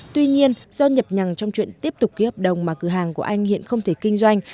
tuy nhiên do nhập nhằng trong chuyện tiếp tục ký hợp đồng mà cửa hàng của anh hiện không thể kinh doanh